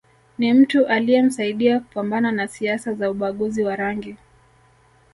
Ni mtu aliyemsaidia kupambana na siasa za ubaguzi wa rangi